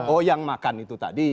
oh yang makan itu tadi